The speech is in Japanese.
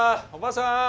おばさん！